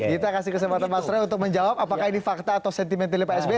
kita kasih kesempatan mas ray untuk menjawab apakah ini fakta atau sentimentalnya pak sby